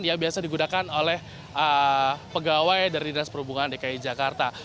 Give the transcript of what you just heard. yang biasa digunakan oleh pegawai dari dinas perhubungan dki jakarta